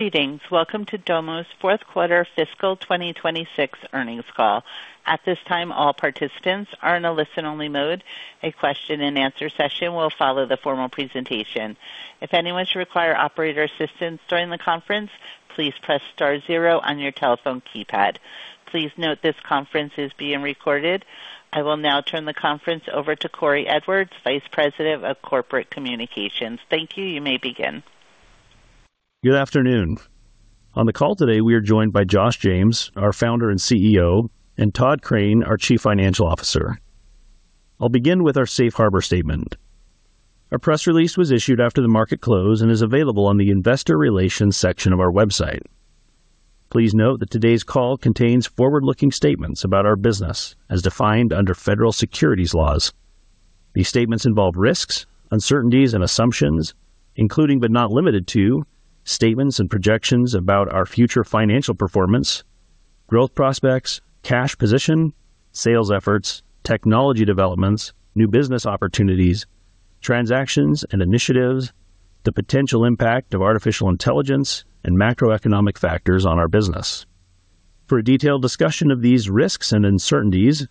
Greetings. Welcome to Domo's Fourth Quarter Fiscal 2026 Earnings Call. At this time, all participants are in a listen-only mode. A question and answer session will follow the formal presentation. If anyone should require operator assistance during the conference, please press star zero on your telephone keypad. Please note this conference is being recorded. I will now turn the conference over to Cory Edwards, Vice President of Corporate Communications. Thank you. You may begin. Good afternoon. On the call today, we are joined by Josh James, our Founder and CEO, and Tod Crane, our Chief Financial Officer. I'll begin with our safe harbor statement. Our press release was issued after the market close and is available on the investor relations section of our website. Please note that today's call contains forward-looking statements about our business as defined under federal securities laws. These statements involve risks, uncertainties and assumptions, including but not limited to statements and projections about our future financial performance, growth prospects, cash position, sales efforts, technology developments, new business opportunities, transactions and initiatives, the potential impact of artificial intelligence and macroeconomic factors on our business. For a detailed discussion of these risks and uncertainties,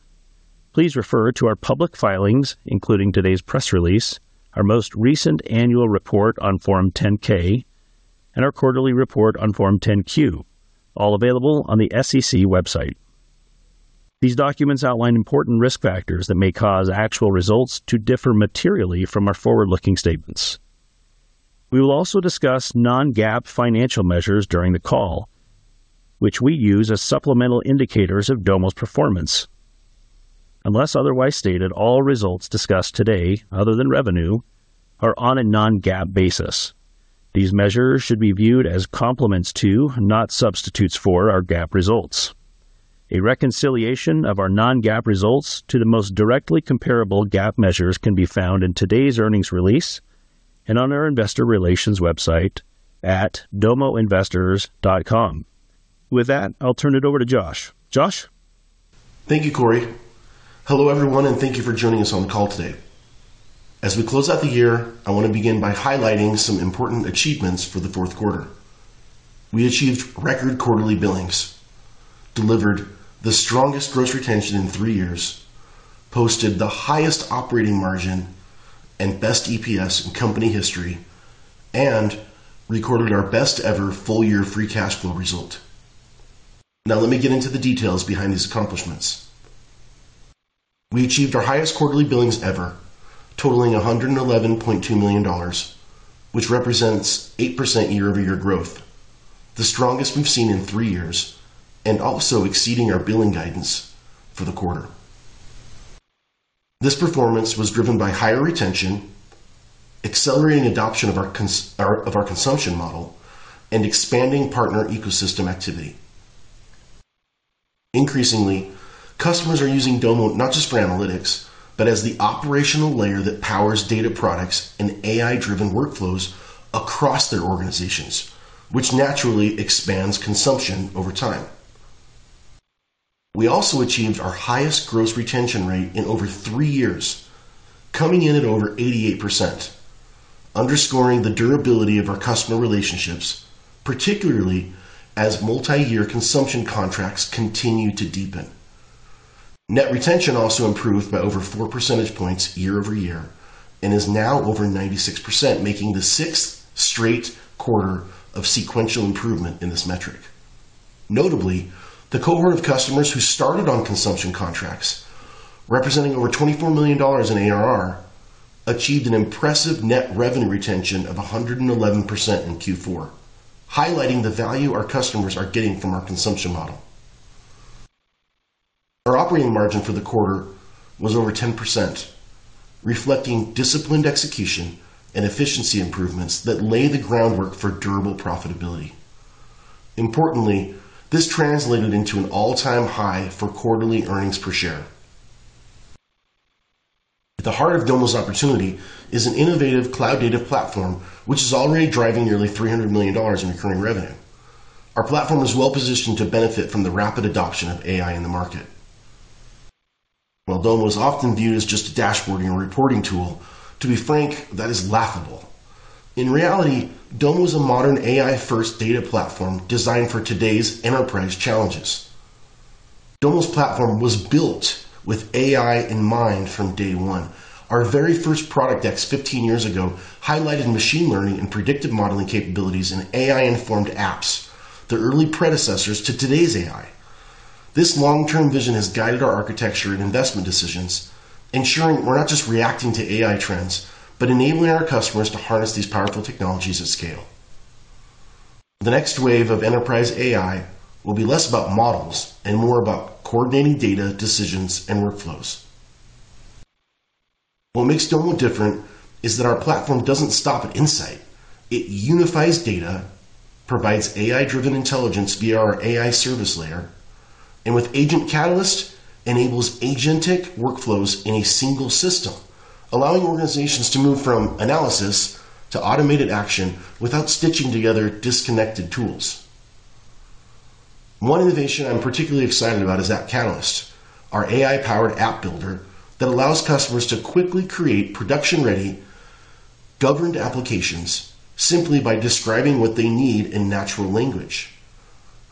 please refer to our public filings, including today's press release, our most recent annual report on Form 10-K, and our quarterly report on Form 10-Q, all available on the SEC website. These documents outline important risk factors that may cause actual results to differ materially from our forward-looking statements. We will also discuss non-GAAP financial measures during the call, which we use as supplemental indicators of Domo's performance. Unless otherwise stated, all results discussed today, other than revenue, are on a non-GAAP basis. These measures should be viewed as complements to, not substitutes for, our GAAP results. A reconciliation of our non-GAAP results to the most directly comparable GAAP measures can be found in today's earnings release and on our investor relations website at domo.com/ir. With that, I'll turn it over to Josh. Josh? Thank you, Cory. Hello, everyone, and thank you for joining us on the call today. As we close out the year, I want to begin by highlighting some important achievements for the fourth quarter. We achieved record quarterly billings, delivered the strongest gross retention in three years, posted the highest operating margin and best EPS in company history, and recorded our best ever full-year free cash flow result. Now let me get into the details behind these accomplishments. We achieved our highest quarterly billings ever, totaling $111.2 million, which represents 8% year-over-year growth, the strongest we've seen in three years, and also exceeding our billing guidance for the quarter. This performance was driven by higher retention, accelerating adoption of our consumption model, and expanding partner ecosystem activity. Increasingly, customers are using Domo not just for analytics, but as the operational layer that powers data products and AI-driven workflows across their organizations, which naturally expands consumption over time. We also achieved our highest gross retention rate in over three years, coming in at over 88%, underscoring the durability of our customer relationships, particularly as multi-year consumption contracts continue to deepen. Net retention also improved by over four percentage points year-over-year and is now over 96%, making the sixth straight quarter of sequential improvement in this metric. Notably, the cohort of customers who started on consumption contracts, representing over $24 million in ARR, achieved an impressive net revenue retention of 111% in Q4, highlighting the value our customers are getting from our consumption model. Our operating margin for the quarter was over 10%, reflecting disciplined execution and efficiency improvements that lay the groundwork for durable profitability. Importantly, this translated into an all-time high for quarterly earnings per share. At the heart of Domo's opportunity is an innovative cloud data platform, which is already driving nearly $300 million in recurring revenue. Our platform is well-positioned to benefit from the rapid adoption of AI in the market. While Domo is often viewed as just a dashboarding and reporting tool, to be frank, that is laughable. In reality, Domo is a modern AI-first data platform designed for today's enterprise challenges. Domo's platform was built with AI in mind from day one. Our very first product decks 15 years ago highlighted machine learning and predictive modeling capabilities in AI-informed apps, the early predecessors to today's AI. This long-term vision has guided our architecture and investment decisions, ensuring we're not just reacting to AI trends, but enabling our customers to harness these powerful technologies at scale. The next wave of enterprise AI will be less about models and more about coordinating data, decisions, and workflows. What makes Domo different is that our platform doesn't stop at insight. It unifies data, provides AI-driven intelligence via our AI service layer, and with Agent Catalyst, enables agentic workflows in a single system, allowing organizations to move from analysis to automated action without stitching together disconnected tools. One innovation I'm particularly excited about is App Catalyst, our AI-powered app builder that allows customers to quickly create production-ready, governed applications simply by describing what they need in natural language.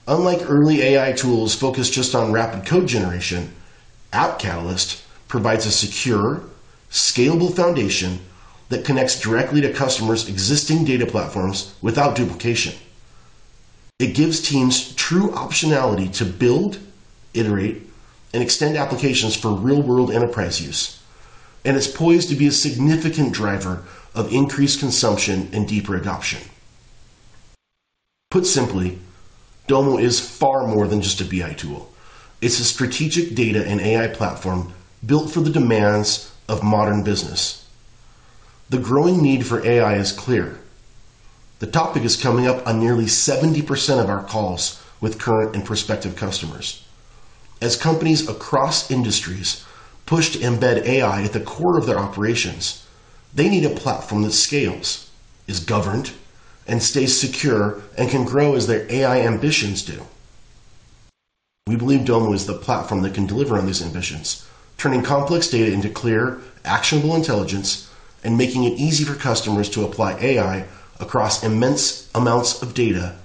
Unlike early AI tools focused just on rapid code generation, App Catalyst provides a secure, scalable foundation that connects directly to customers' existing data platforms without duplication. It gives teams true optionality to build, iterate, and extend applications for real-world enterprise use, and it's poised to be a significant driver of increased consumption and deeper adoption. Put simply, Domo is far more than just a BI tool. It's a strategic data and AI platform built for the demands of modern business. The growing need for AI is clear. The topic is coming up on nearly 70% of our calls with current and prospective customers. As companies across industries push to embed AI at the core of their operations, they need a platform that scales, is governed, and stays secure, and can grow as their AI ambitions do. We believe Domo is the platform that can deliver on these ambitions, turning complex data into clear, actionable intelligence and making it easy for customers to apply AI across immense amounts of data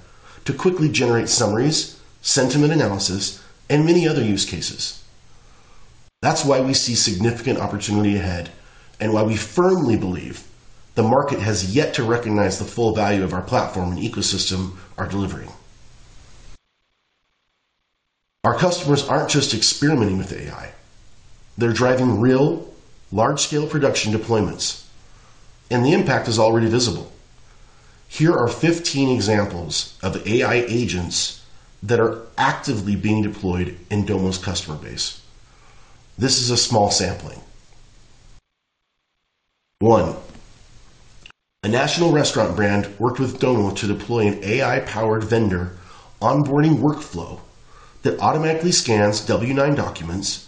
to quickly generate summaries, sentiment analysis, and many other use cases. That's why we see significant opportunity ahead, and why we firmly believe the market has yet to recognize the full value of our platform and ecosystem are delivering. Our customers aren't just experimenting with AI. They're driving real, large-scale production deployments, and the impact is already visible. Here are 15 examples of AI agents that are actively being deployed in Domo's customer base. This is a small sampling. One, a national restaurant brand worked with Domo to deploy an AI-powered vendor onboarding workflow that automatically scans W-9 documents,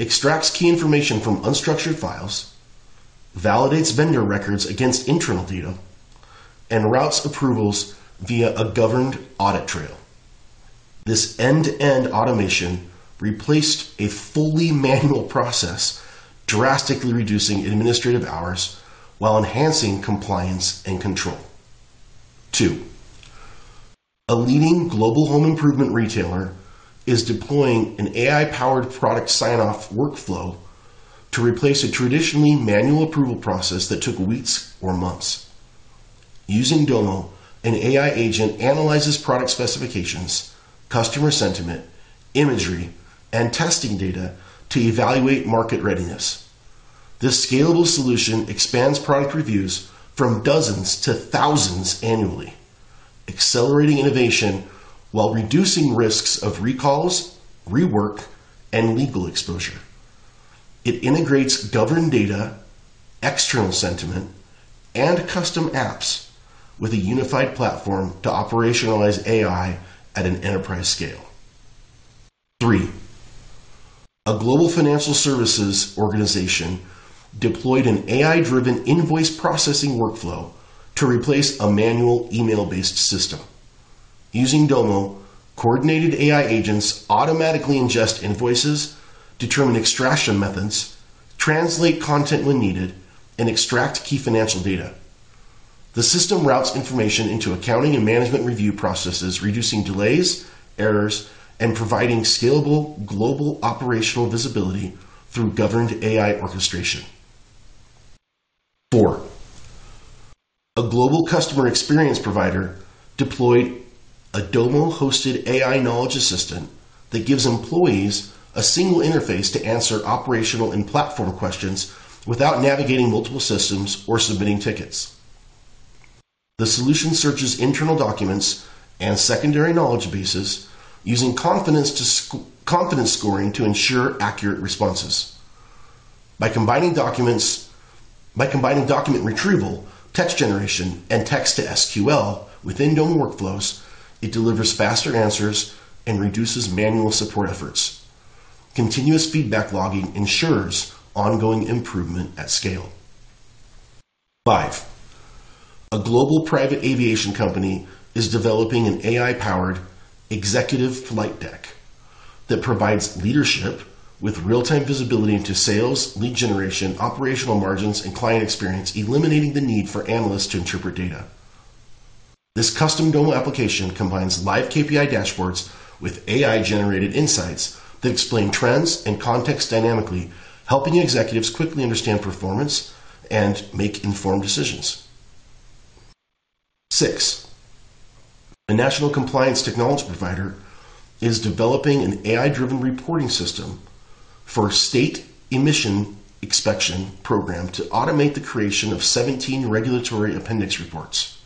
extracts key information from unstructured files, validates vendor records against internal data, and routes approvals via a governed audit trail. This end-to-end automation replaced a fully manual process, drastically reducing administrative hours while enhancing compliance and control. Two, a leading global home improvement retailer is deploying an AI-powered product sign-off workflow to replace a traditionally manual approval process that took weeks or months. Using Domo, an AI agent analyzes product specifications, customer sentiment, imagery, and testing data to evaluate market readiness. This scalable solution expands product reviews from dozens to thousands annually, accelerating innovation while reducing risks of recalls, rework, and legal exposure. It integrates governed data, external sentiment, and custom apps with a unified platform to operationalize AI at an enterprise scale. Three, a global financial services organization deployed an AI-driven invoice processing workflow to replace a manual email-based system. Using Domo, coordinated AI agents automatically ingest invoices, determine extraction methods, translate content when needed, and extract key financial data. The system routes information into accounting and management review processes, reducing delays, errors, and providing scalable global operational visibility through governed AI orchestration. Four, a global customer experience provider deployed a Domo-hosted AI knowledge assistant that gives employees a single interface to answer operational and platform questions without navigating multiple systems or submitting tickets. The solution searches internal documents and secondary knowledge bases using confidence scoring to ensure accurate responses. By combining document retrieval, text generation, and text to SQL within Domo workflows, it delivers faster answers and reduces manual support efforts. Continuous feedback logging ensures ongoing improvement at scale. Five, a global private aviation company is developing an AI-powered executive flight deck that provides leadership with real-time visibility into sales, lead generation, operational margins, and client experience, eliminating the need for analysts to interpret data. This custom Domo application combines live KPI dashboards with AI-generated insights that explain trends and context dynamically, helping executives quickly understand performance and make informed decisions. Six, a national compliance technology provider is developing an AI-driven reporting system for state emissions inspection program to automate the creation of 17 regulatory appendix reports.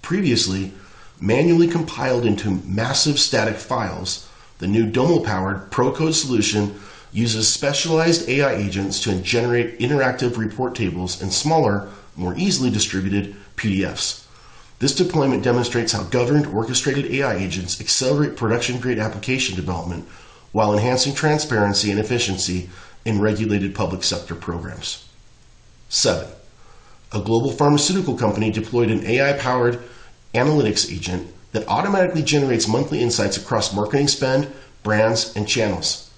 Previously, manually compiled into massive static files, the new Domo-powered pro-code solution uses specialized AI agents to generate interactive report tables in smaller, more easily distributed PDFs. This deployment demonstrates how governed, orchestrated AI agents accelerate production-grade application development while enhancing transparency and efficiency in regulated public sector programs. Seven. A global pharmaceutical company deployed an AI-powered analytics agent that automatically generates monthly insights across marketing spend, brands, and channels.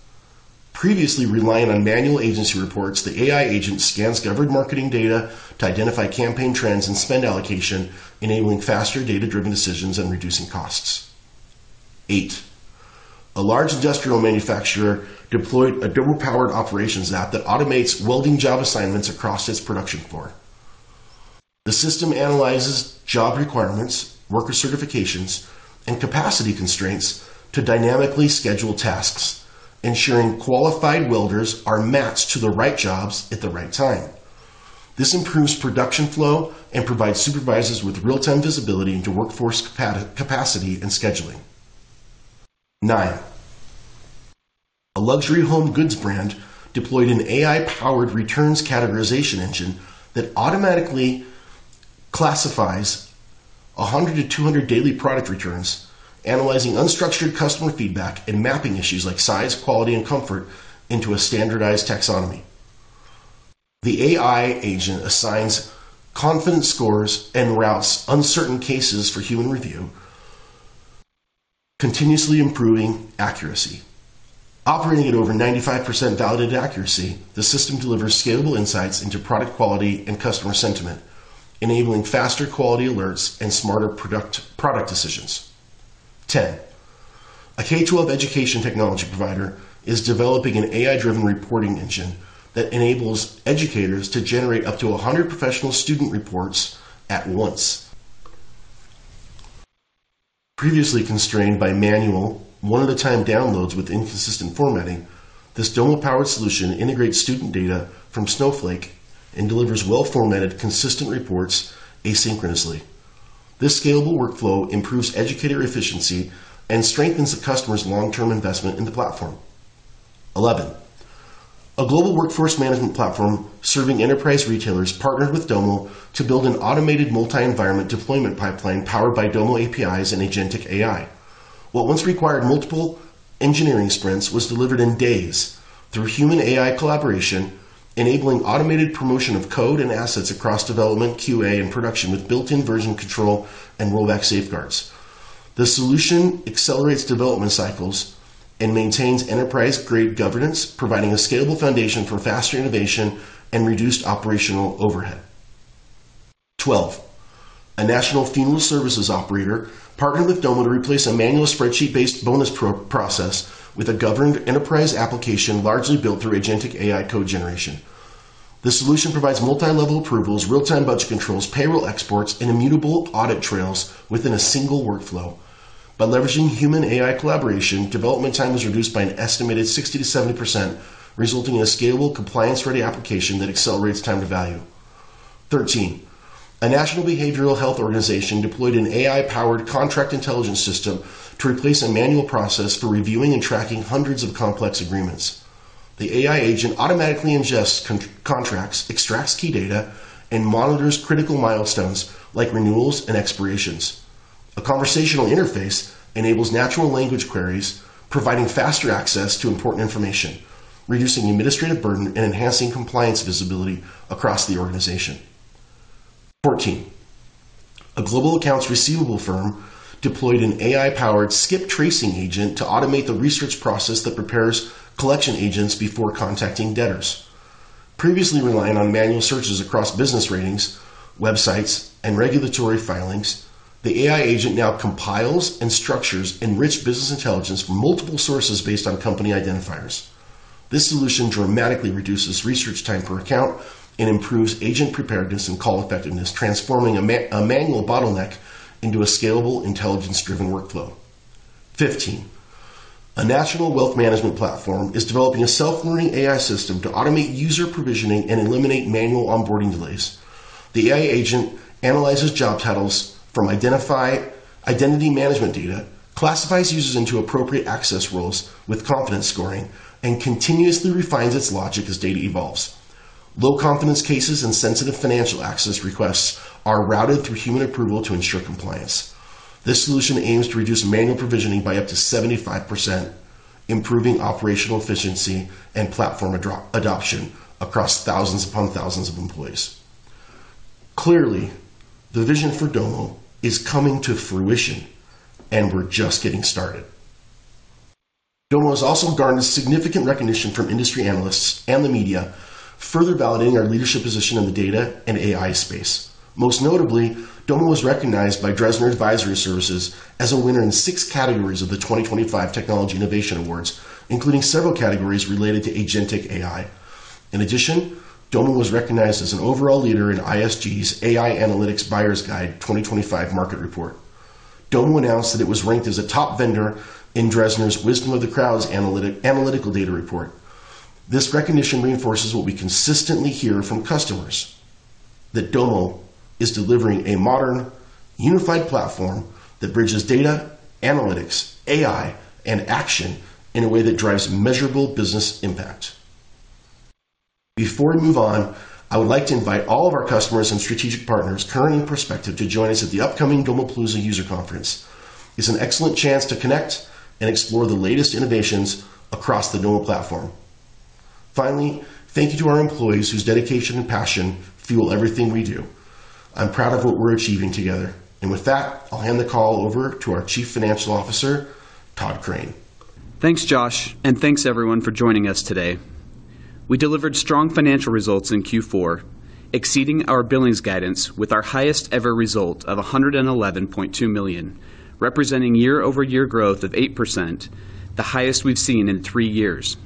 Previously reliant on manual agency reports, the AI agent scans governed marketing data to identify campaign trends and spend allocation, enabling faster data-driven decisions and reducing costs. Eight. A large industrial manufacturer deployed a Domo-powered operations app that automates welding job assignments across its production floor. The system analyzes job requirements, worker certifications, and capacity constraints to dynamically schedule tasks, ensuring qualified welders are matched to the right jobs at the right time. This improves production flow and provides supervisors with real-time visibility into workforce capacity and scheduling. Nine. A luxury home goods brand deployed an AI-powered returns categorization engine that automatically classifies 100-200 daily product returns, analyzing unstructured customer feedback, and mapping issues like size, quality, and comfort into a standardized taxonomy. The AI agent assigns confidence scores and routes uncertain cases for human review, continuously improving accuracy. Operating at over 95% validated accuracy, the system delivers scalable insights into product quality and customer sentiment, enabling faster quality alerts and smarter product decisions. 10. A K-12 education technology provider is developing an AI-driven reporting engine that enables educators to generate up to 100 professional student reports at once. Previously constrained by manual one-at-a-time downloads with inconsistent formatting, this Domo-powered solution integrates student data from Snowflake and delivers well-formatted, consistent reports asynchronously. This scalable workflow improves educator efficiency and strengthens the customer's long-term investment in the platform. 11. A global workforce management platform serving enterprise retailers partnered with Domo to build an automated multi-environment deployment pipeline powered by Domo APIs and agentic AI. What once required multiple engineering sprints was delivered in days through human AI collaboration, enabling automated promotion of code and assets across development, QA, and production with built-in version control and rollback safeguards. The solution accelerates development cycles and maintains enterprise-grade governance, providing a scalable foundation for faster innovation and reduced operational overhead. 12. A national funeral services operator partnered with Domo to replace a manual spreadsheet-based bonus process with a governed enterprise application largely built through agentic AI code generation. The solution provides multi-level approvals, real-time budget controls, payroll exports, and immutable audit trails within a single workflow. By leveraging human AI collaboration, development time was reduced by an estimated 60%-70%, resulting in a scalable, compliance-ready application that accelerates time to value. 13. A national behavioral health organization deployed an AI-powered contract intelligence system to replace a manual process for reviewing and tracking hundreds of complex agreements. The AI agent automatically ingests contracts, extracts key data, and monitors critical milestones like renewals and expirations. A conversational interface enables natural language queries, providing faster access to important information, reducing administrative burden, and enhancing compliance visibility across the organization. 14. A global accounts receivable firm deployed an AI-powered skip tracing agent to automate the research process that prepares collection agents before contacting debtors. Previously reliant on manual searches across business ratings, websites, and regulatory filings, the AI agent now compiles and structures enriched business intelligence from multiple sources based on company identifiers. This solution dramatically reduces research time per account and improves agent preparedness and call effectiveness, transforming a manual bottleneck into a scalable, intelligence-driven workflow. 15. A national wealth management platform is developing a self-learning AI system to automate user provisioning and eliminate manual onboarding delays. The AI agent analyzes job titles from identity management data, classifies users into appropriate access roles with confidence scoring, and continuously refines its logic as data evolves. Low-confidence cases and sensitive financial access requests are routed through human approval to ensure compliance. This solution aims to reduce manual provisioning by up to 75%, improving operational efficiency and platform adoption across thousands upon thousands of employees. Clearly, the vision for Domo is coming to fruition, and we're just getting started. Domo has also garnered significant recognition from industry analysts and the media, further validating our leadership position in the data and AI space. Most notably, Domo was recognized by Dresner Advisory Services as a winner in six categories of the 2025 Technology Innovation Awards, including several categories related to agentic AI. In addition, Domo was recognized as an overall leader in ISG's AI Analytics Buyer's Guide 2025 market report. Domo announced that it was ranked as a top vendor in Dresner's Wisdom of Crowds Analytical Data Products Report. This recognition reinforces what we consistently hear from customers, that Domo is delivering a modern, unified platform that bridges data, analytics, AI, and action in a way that drives measurable business impact. Before we move on, I would like to invite all of our customers and strategic partners, current and prospective, to join us at the upcoming Domopalooza user conference. It's an excellent chance to connect and explore the latest innovations across the Domo platform. Finally, thank you to our employees whose dedication and passion fuel everything we do. I'm proud of what we're achieving together. With that, I'll hand the call over to our Chief Financial Officer, Tod Crane. Thanks, Josh, and thanks everyone for joining us today. We delivered strong financial results in Q4, exceeding our billings guidance with our highest ever result of $111.2 million, representing year-over-year growth of 8%, the highest we've seen in three years.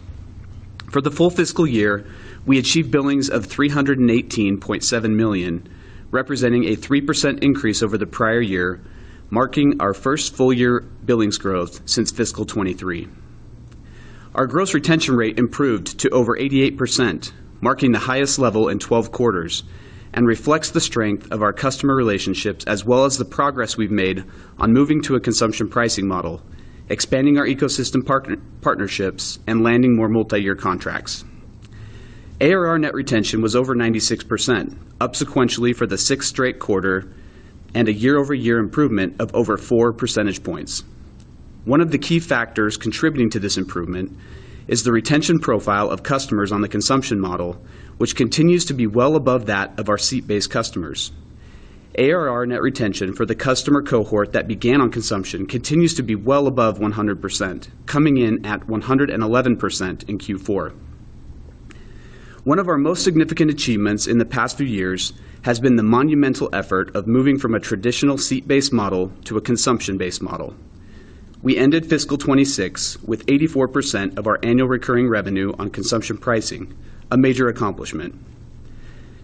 For the full fiscal year, we achieved billings of $318.7 million, representing a 3% increase over the prior year, marking our first full year billings growth since fiscal 2023. Our gross retention rate improved to over 88%, marking the highest level in 12 quarters, and reflects the strength of our customer relationships as well as the progress we've made on moving to a consumption pricing model, expanding our ecosystem partnerships, and landing more multi-year contracts. ARR net retention was over 96%, up sequentially for the sixth straight quarter and a year-over-year improvement of over 4 percentage points. One of the key factors contributing to this improvement is the retention profile of customers on the consumption model, which continues to be well above that of our seat-based customers. ARR net retention for the customer cohort that began on consumption continues to be well above 100%, coming in at 111% in Q4. One of our most significant achievements in the past few years has been the monumental effort of moving from a traditional seat-based model to a consumption-based model. We ended fiscal 2026 with 84% of our annual recurring revenue on consumption pricing, a major accomplishment.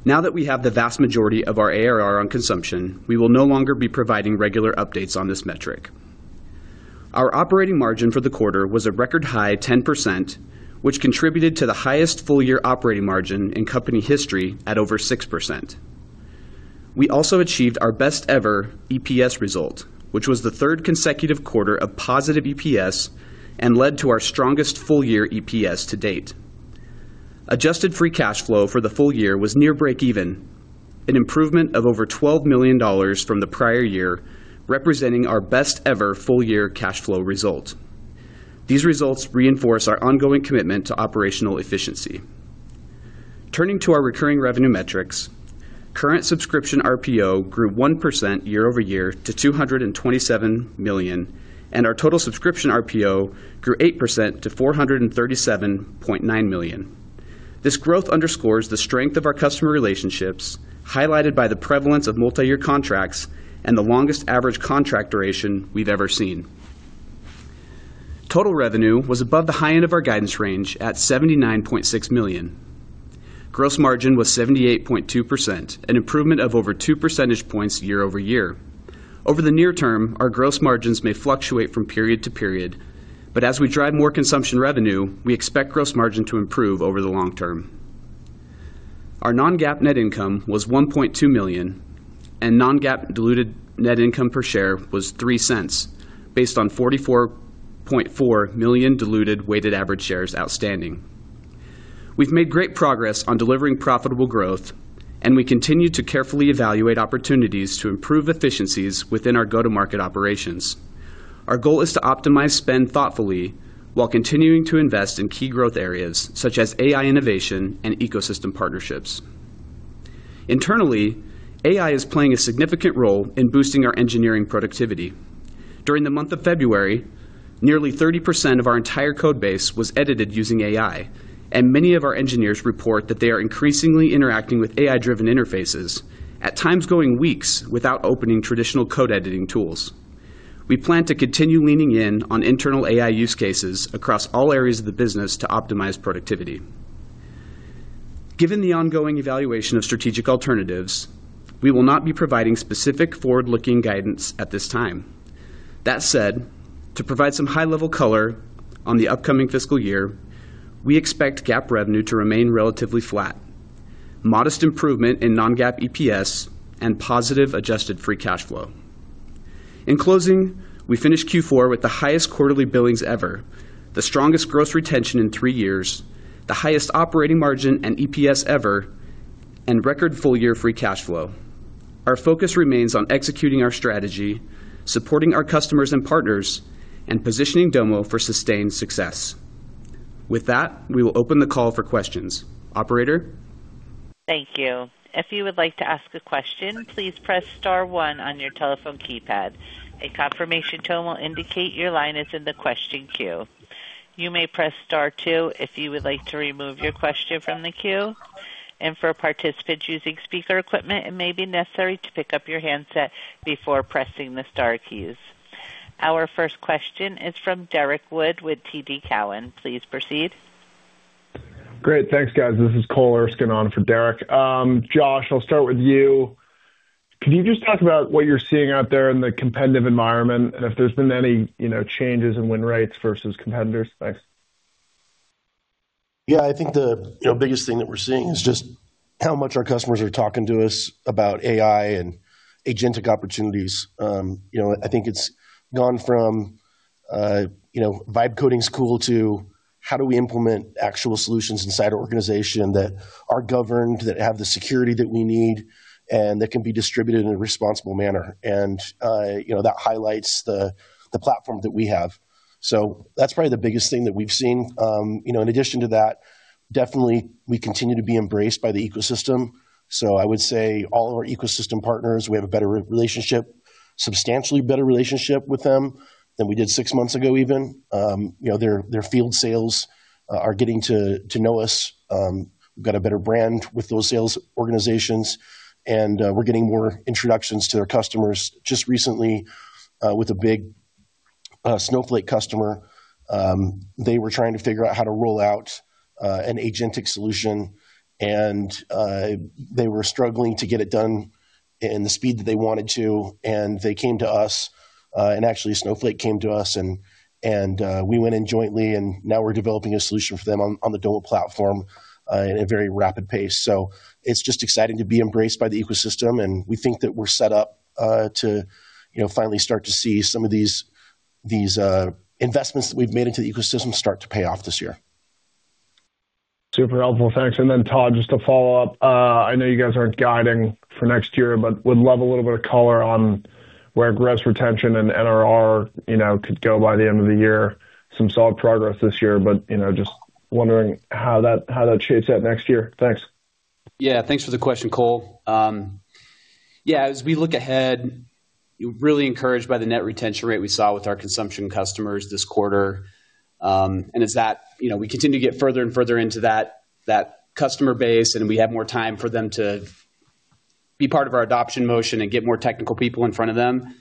Now that we have the vast majority of our ARR on consumption, we will no longer be providing regular updates on this metric. Our operating margin for the quarter was a record high 10%, which contributed to the highest full-year operating margin in company history at over 6%. We also achieved our best ever EPS result, which was the third consecutive quarter of positive EPS and led to our strongest full-year EPS to date. Adjusted free cash flow for the full year was near breakeven, an improvement of over $12 million from the prior year, representing our best ever full-year cash flow result. These results reinforce our ongoing commitment to operational efficiency. Turning to our recurring revenue metrics, current subscription RPO grew 1% year-over-year to $227 million, and our total subscription RPO grew 8% to $437.9 million. This growth underscores the strength of our customer relationships, highlighted by the prevalence of multi-year contracts and the longest average contract duration we've ever seen. Total revenue was above the high end of our guidance range at $79.6 million. Gross margin was 78.2%, an improvement of over two percentage points year-over-year. Over the near term, our gross margins may fluctuate from period to period, but as we drive more consumption revenue, we expect gross margin to improve over the long term. Our non-GAAP net income was $1.2 million, and non-GAAP diluted net income per share was $0.03, based on 44.4 million diluted weighted average shares outstanding. We've made great progress on delivering profitable growth, and we continue to carefully evaluate opportunities to improve efficiencies within our go-to-market operations. Our goal is to optimize spend thoughtfully while continuing to invest in key growth areas such as AI innovation and ecosystem partnerships. Internally, AI is playing a significant role in boosting our engineering productivity. During the month of February, nearly 30% of our entire code base was edited using AI, and many of our engineers report that they are increasingly interacting with AI-driven interfaces, at times going weeks without opening traditional code editing tools. We plan to continue leaning in on internal AI use cases across all areas of the business to optimize productivity. Given the ongoing evaluation of strategic alternatives, we will not be providing specific forward-looking guidance at this time. That said, to provide some high-level color on the upcoming fiscal year, we expect GAAP revenue to remain relatively flat, modest improvement in non-GAAP EPS, and positive adjusted free cash flow. In closing, we finished Q4 with the highest quarterly billings ever, the strongest gross retention in three years, the highest operating margin and EPS ever, and record full-year free cash flow. Our focus remains on executing our strategy, supporting our customers and partners, and positioning Domo for sustained success. With that, we will open the call for questions. Operator? Thank you. If you would like to ask a question, please press star one on your telephone keypad. A confirmation tone will indicate your line is in the question queue. You may press star two if you would like to remove your question from the queue. For participants using speaker equipment, it may be necessary to pick up your handset before pressing the star keys. Our first question is from Derrick Wood with TD Cowen. Please proceed. Great. Thanks, guys. This is Cole Erskine on for Derrick. Josh, I'll start with you. Could you just talk about what you're seeing out there in the competitive environment and if there's been any, you know, changes in win rates versus competitors? Thanks. Yeah. I think the you know biggest thing that we're seeing is just how much our customers are talking to us about AI and agentic opportunities. You know, I think it's gone from you know vibe coding's cool to how do we implement actual solutions inside our organization that are governed, that have the security that we need, and that can be distributed in a responsible manner. You know, that highlights the platform that we have. That's probably the biggest thing that we've seen. You know, in addition to that, definitely we continue to be embraced by the ecosystem. I would say all of our ecosystem partners, we have a better relationship, substantially better relationship with them than we did six months ago even. You know, their field sales are getting to know us. We've got a better brand with those sales organizations, and we're getting more introductions to their customers. Just recently, with a big Snowflake customer, they were trying to figure out how to roll out an agentic solution, and they were struggling to get it done in the speed that they wanted to. They came to us, and actually Snowflake came to us and we went in jointly, and now we're developing a solution for them on the Domo platform at a very rapid pace. It's just exciting to be embraced by the ecosystem, and we think that we're set up to you know finally start to see some of these investments that we've made into the ecosystem start to pay off this year. Super helpful. Thanks. Then, Tod, just to follow up. I know you guys aren't guiding for next year, but would love a little bit of color on where gross retention and NRR, you know, could go by the end of the year. Some solid progress this year, but, you know, just wondering how that shapes out next year. Thanks. Yeah. Thanks for the question, Cole. Yeah, as we look ahead, really encouraged by the net retention rate we saw with our consumption customers this quarter. As that, you know, we continue to get further and further into that customer base, and we have more time for them to be part of our adoption motion and get more technical people in front of them.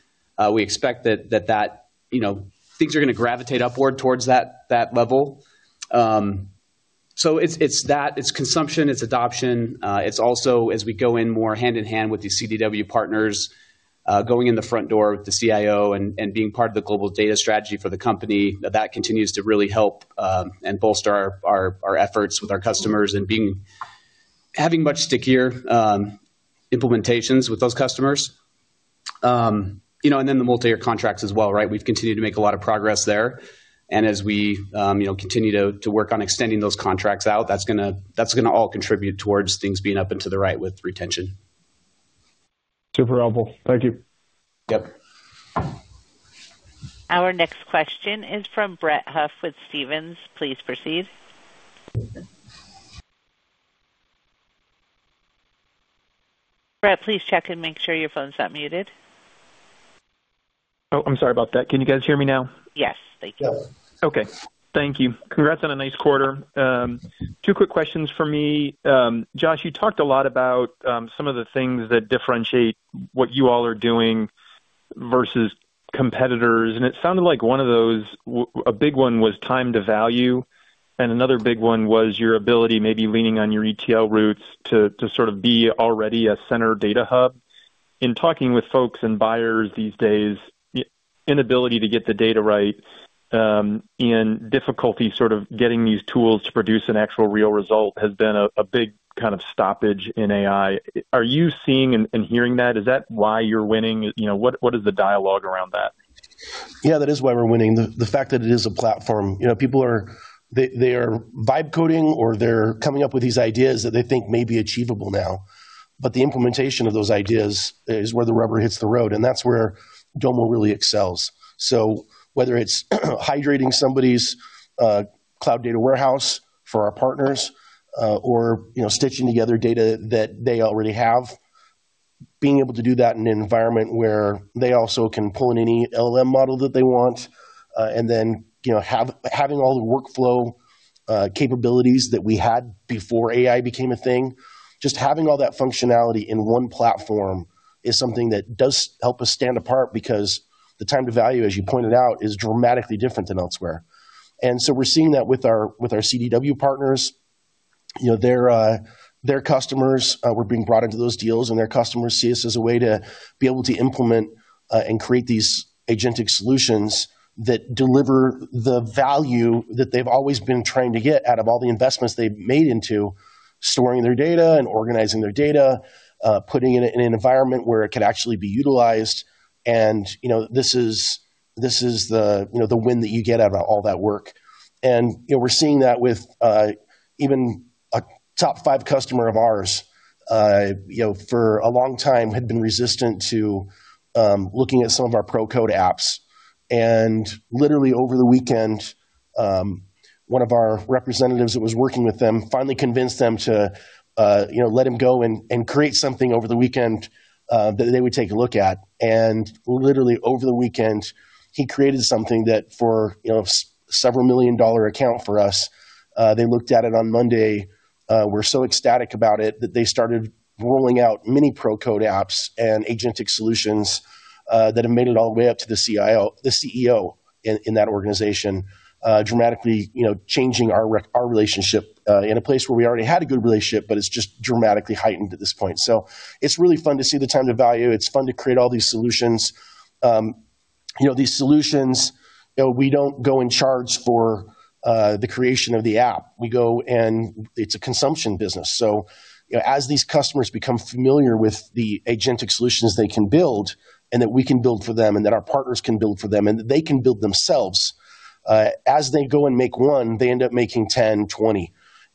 We expect that you know, things are gonna gravitate upward towards that level. It's that, it's consumption, it's adoption. It's also as we go in more hand-in-hand with these CDW partners, going in the front door with the CIO and being part of the global data strategy for the company, that continues to really help and bolster our efforts with our customers and having much stickier implementations with those customers. You know, then the multi-year contracts as well, right? We've continued to make a lot of progress there. As we continue to work on extending those contracts out, that's gonna all contribute towards things being up and to the right with retention. Super helpful. Thank you. Yep. Our next question is from Brett Huff with Stephens. Please proceed. Brett, please check and make sure your phone's not muted. Oh, I'm sorry about that. Can you guys hear me now? Yes. Thank you. Okay. Thank you. Congrats on a nice quarter. Two quick questions for me. Josh, you talked a lot about some of the things that differentiate what you all are doing versus competitors, and it sounded like one of those, a big one was time to value, and another big one was your ability maybe leaning on your ETL roots to sort of be already a central data hub. In talking with folks and buyers these days, the inability to get the data right and difficulty sort of getting these tools to produce an actual real result has been a big kind of stoppage in AI. Are you seeing and hearing that? Is that why you're winning? You know, what is the dialogue around that? Yeah, that is why we're winning. The fact that it is a platform. You know, people are. They are vibe coding or they're coming up with these ideas that they think may be achievable now. The implementation of those ideas is where the rubber hits the road, and that's where Domo really excels. Whether it's hydrating somebody's cloud data warehouse for our partners, or, you know, stitching together data that they already have, being able to do that in an environment where they also can pull in any LLM model that they want, and then, you know, having all the workflow capabilities that we had before AI became a thing, just having all that functionality in one platform is something that does help us stand apart because the time to value, as you pointed out, is dramatically different than elsewhere. We're seeing that with our CDW partners. You know, their customers, we're being brought into those deals, and their customers see us as a way to be able to implement and create these agentic solutions that deliver the value that they've always been trying to get out of all the investments they've made into storing their data and organizing their data, putting it in an environment where it could actually be utilized. You know, this is the win that you get out of all that work. You know, we're seeing that with even a top five customer of ours, you know, for a long time had been resistant to looking at some of our pro-code apps. Literally over the weekend, one of our representatives that was working with them finally convinced them to, you know, let him go and create something over the weekend that they would take a look at. Literally over the weekend, he created something that, for you know, several million-dollar account for us, they looked at it on Monday, were so ecstatic about it that they started rolling out many pro-code apps and agentic solutions that have made it all the way up to the CIO, the CEO in that organization, dramatically, you know, changing our relationship in a place where we already had a good relationship, but it's just dramatically heightened at this point. It's really fun to see the time to value. It's fun to create all these solutions. You know, these solutions, you know, we don't go and charge for the creation of the app. We go and it's a consumption business. You know, as these customers become familiar with the agentic solutions they can build and that we can build for them and that our partners can build for them, and that they can build themselves, as they go and make one, they end up making 10, 20,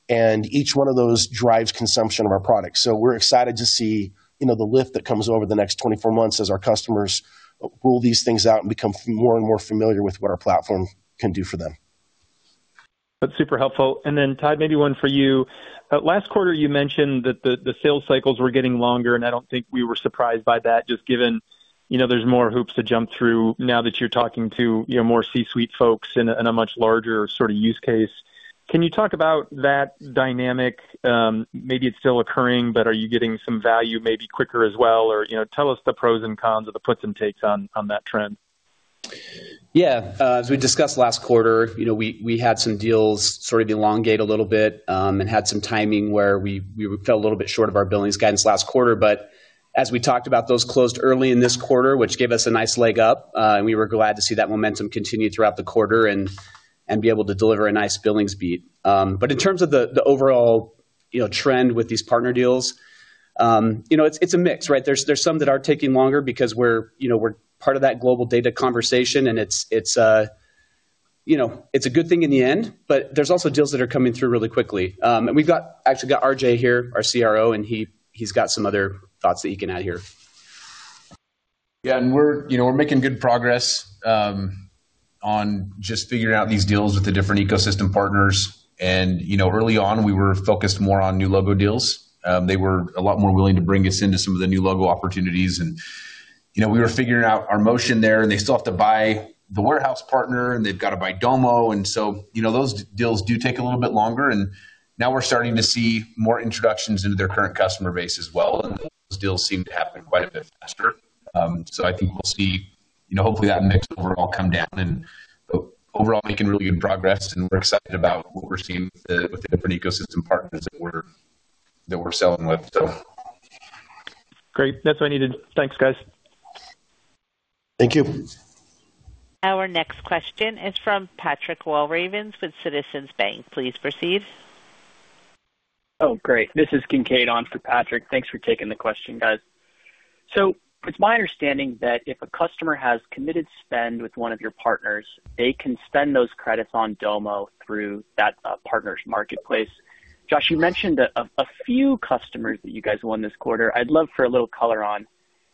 and each one of those drives consumption of our product. We're excited to see, you know, the lift that comes over the next 24 months as our customers roll these things out and become more and more familiar with what our platform can do for them. That's super helpful. Tod, maybe one for you. Last quarter you mentioned that the sales cycles were getting longer, and I don't think we were surprised by that, just given, you know, there's more hoops to jump through now that you're talking to, you know, more C-suite folks in a much larger sort of use case. Can you talk about that dynamic? Maybe it's still occurring, but are you getting some value maybe quicker as well? Or, you know, tell us the pros and cons or the puts and takes on that trend. Yeah. As we discussed last quarter, you know, we had some deals sort of elongate a little bit, and had some timing where we fell a little bit short of our billings guidance last quarter. As we talked about, those closed early in this quarter, which gave us a nice leg up, and we were glad to see that momentum continue throughout the quarter and be able to deliver a nice billings beat. In terms of the overall, you know, trend with these partner deals, you know, it's a mix, right? There's some that are taking longer because we're, you know, we're part of that global data conversation and it's, you know, it's a good thing in the end, but there's also deals that are coming through really quickly. We've got Actually got RJ here, our CRO, and he's got some other thoughts that he can add here. Yeah. We're, you know, we're making good progress on just figuring out these deals with the different ecosystem partners. You know, early on we were focused more on new logo deals. They were a lot more willing to bring us into some of the new logo opportunities. You know, we were figuring out our motion there, and they still have to buy the warehouse partner, and they've got to buy Domo. So, you know, those deals do take a little bit longer. Now we're starting to see more introductions into their current customer base as well, and those deals seem to happen quite a bit faster. I think we'll see, you know, hopefully that mix overall come down and overall making really good progress, and we're excited about what we're seeing with the different ecosystem partners that we're selling with, so. Great. That's what I needed. Thanks, guys. Thank you. Our next question is from Patrick Walravens with Citizens JMP. Please proceed. Oh, great. This is Kincaid on for Patrick. Thanks for taking the question, guys. It's my understanding that if a customer has committed spend with one of your partners, they can spend those credits on Domo through that partner's marketplace. Josh, you mentioned a few customers that you guys won this quarter. I'd love for a little color on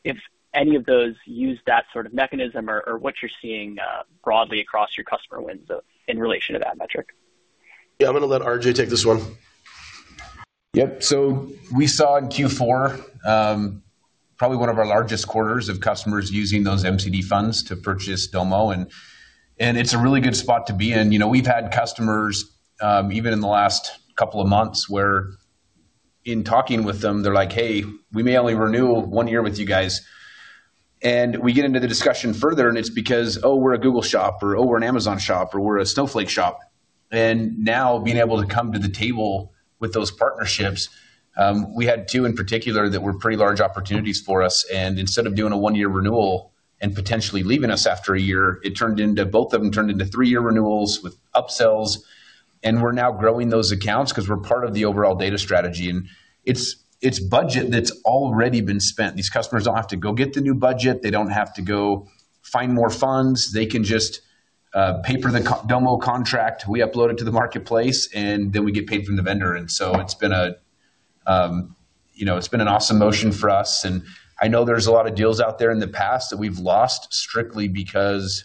if any of those use that sort of mechanism or what you're seeing broadly across your customer wins in relation to that metric. Yeah, I'm gonna let RJ take this one. Yep. We saw in Q4, probably one of our largest quarters of customers using those MCD funds to purchase Domo, and it's a really good spot to be in. You know, we've had customers, even in the last couple of months where in talking with them, they're like, "Hey, we may only renew one year with you guys." We get into the discussion further, and it's because, "Oh, we're a Google shop," or, "Oh, we're an Amazon shop," or, "We're a Snowflake shop." Now being able to come to the table with those partnerships, we had two in particular that were pretty large opportunities for us, and instead of doing a one-year renewal and potentially leaving us after a year, it turned into. Both of them turned into three-year renewals with upsells, and we're now growing those accounts 'cause we're part of the overall data strategy. It's budget that's already been spent. These customers don't have to go get the new budget. They don't have to go find more funds. They can just pay for the Domo contract, we upload it to the marketplace, and then we get paid from the vendor. It's been, you know, an awesome motion for us. I know there's a lot of deals out there in the past that we've lost strictly because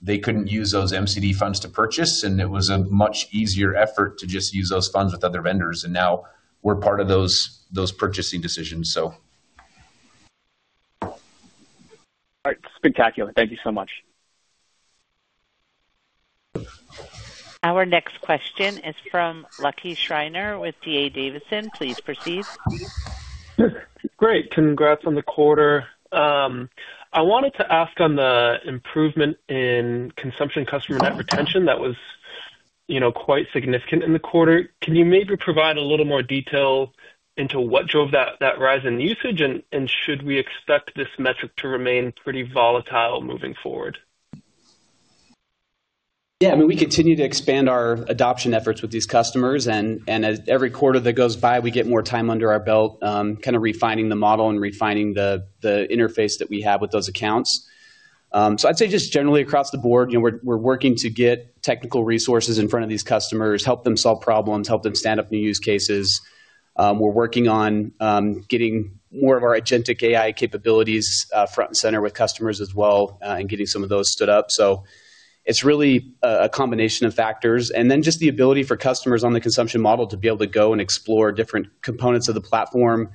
they couldn't use those MCD funds to purchase, and it was a much easier effort to just use those funds with other vendors, and now we're part of those purchasing decisions. All right. Spectacular. Thank you so much. Our next question is from Lucky Schreiner with D.A. Davidson. Please proceed. Great. Congrats on the quarter. I wanted to ask on the improvement in consumption customer net retention, that was, you know, quite significant in the quarter. Can you maybe provide a little more detail into what drove that rise in usage? Should we expect this metric to remain pretty volatile moving forward? Yeah. I mean, we continue to expand our adoption efforts with these customers and as every quarter that goes by, we get more time under our belt, kind of refining the model and refining the interface that we have with those accounts. So I'd say just generally across the board, you know, we're working to get technical resources in front of these customers, help them solve problems, help them stand up new use cases. We're working on getting more of our agentic AI capabilities front and center with customers as well, and getting some of those stood up. So it's really a combination of factors, and then just the ability for customers on the consumption model to be able to go and explore different components of the platform.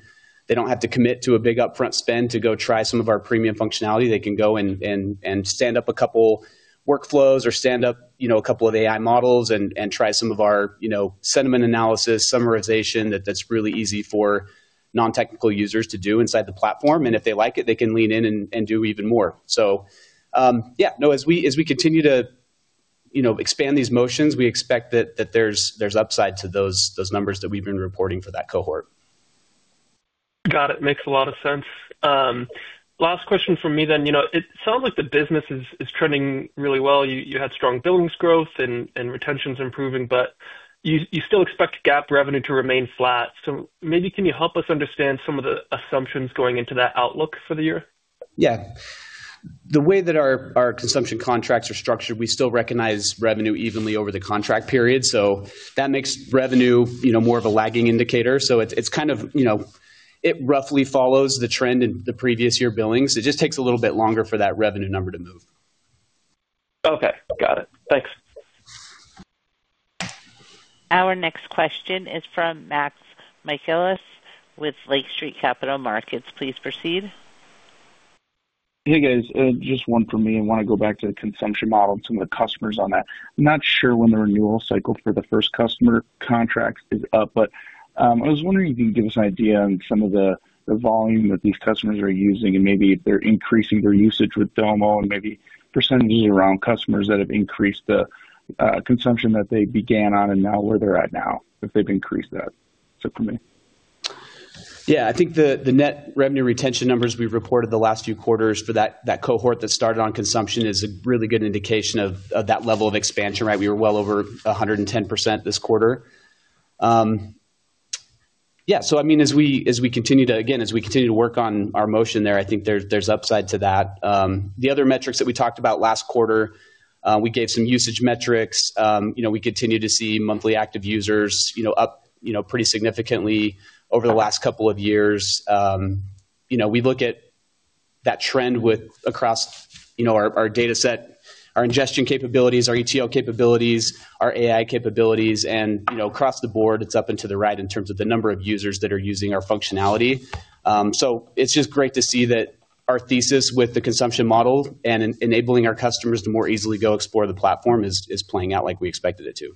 They don't have to commit to a big upfront spend to go try some of our premium functionality. They can go and stand up a couple workflows or stand up, you know, a couple of AI models and try some of our, you know, sentiment analysis summarization that's really easy for non-technical users to do inside the platform. If they like it, they can lean in and do even more. As we continue to, you know, expand these motions, we expect that there's upside to those numbers that we've been reporting for that cohort. Got it. Makes a lot of sense. Last question from me then. You know, it sounds like the business is trending really well. You had strong billings growth and retention's improving, but you still expect GAAP revenue to remain flat. Maybe can you help us understand some of the assumptions going into that outlook for the year? Yeah. The way that our consumption contracts are structured, we still recognize revenue evenly over the contract period, so that makes revenue, you know, more of a lagging indicator. It's kind of, you know, it roughly follows the trend in the previous year billings. It just takes a little bit longer for that revenue number to move. Okay. Got it. Thanks. Our next question is from Max Michaelis with Lake Street Capital Markets. Please proceed. Hey, guys. Just one for me. I wanna go back to the consumption model and some of the customers on that. I'm not sure when the renewal cycle for the first customer contract is up, but I was wondering if you can give us an idea on some of the volume that these customers are using and maybe if they're increasing their usage with Domo and maybe percent of year around customers that have increased the consumption that they began on and now where they're at now, if they've increased that. That's it for me. Yeah. I think the net revenue retention numbers we've reported the last few quarters for that cohort that started on consumption is a really good indication of that level of expansion, right? We were well over 110% this quarter. Yeah, so I mean, as we continue to work on our motion there, I think there's upside to that. The other metrics that we talked about last quarter, we gave some usage metrics. You know, we continue to see monthly active users, you know, up, you know, pretty significantly over the last couple of years. You know, we look at that trend across our data set, our ingestion capabilities, our ETL capabilities, our AI capabilities, and, you know, across the board it's up and to the right in terms of the number of users that are using our functionality. It's just great to see that our thesis with the consumption model and enabling our customers to more easily go explore the platform is playing out like we expected it to.